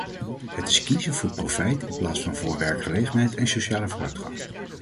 Het is kiezen voor profijt in plaats van voor werkgelegenheid en sociale vooruitgang.